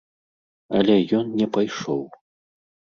Але ён не пайшоў.